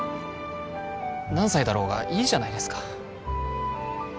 何歳だろうがいいじゃないですか